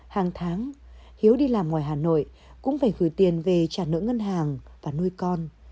hàng tháng hiếu đi làm ngoài hà nội cũng phải gửi tiền về trả nợ ngân hàng và nuôi con